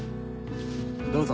どうぞ。